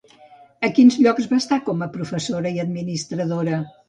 A quins llocs va estar com a professora i administradora?